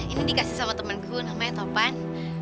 ini dikasih sama temenku namanya topan